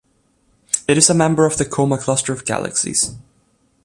It is a member of the Coma cluster of galaxies.